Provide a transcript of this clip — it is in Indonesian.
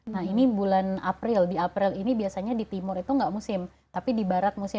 nah ini bulan april di april ini biasanya di timur itu enggak musim tapi di barat musim